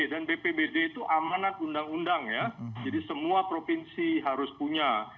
dan bpbd itu amanat undang undang ya jadi semua provinsi harus punya